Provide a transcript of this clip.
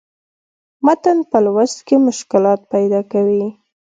متن پۀ لوست کښې مشکلات پېدا کوي